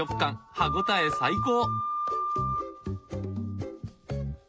歯応え最高！